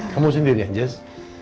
kamu sendiri ya jess